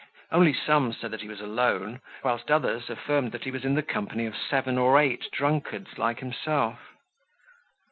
Only some said that he was alone, whilst others affirmed that he was in the company of seven or eight drunkards like himself.